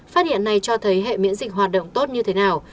phát hiện này cho thấy hệ miễn dịch hoạt động tốt như thế nào